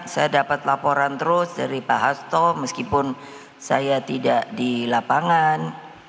saya dapat laporan terus dari pak hasto meskipun saya tidak di lapangan